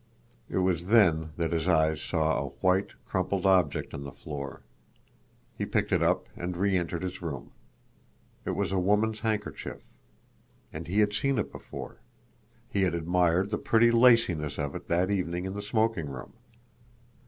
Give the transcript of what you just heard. It was then that his eyes saw a white, crumpled object on the floor. He picked it up and reentered his room. It was a woman's handkerchief. And he had seen it before. He had admired the pretty laciness of it that evening in the smoking room.